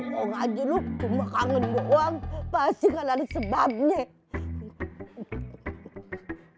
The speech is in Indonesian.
bokong aja lu cuma kangen doang pasti gak lari sebabnya